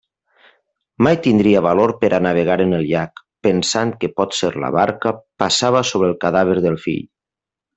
Mai tindria valor per a navegar en el llac, pensant que potser la barca passava sobre el cadàver del fill.